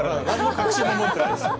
確信持ってないです。